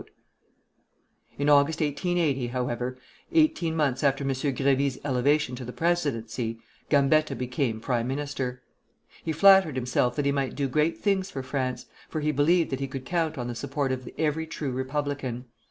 In August, 1880, however, eighteen months after M. Grévy's elevation to the presidency, Gambetta became prime minister. He flattered himself that he might do great things for France, for he believed that he could count on the support of every true Republican.